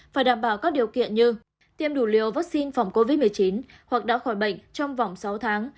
phải đảm bảo các điều kiện như tiêm đủ liều vaccine phòng covid một mươi chín hoặc đã khỏi bệnh trong vòng sáu tháng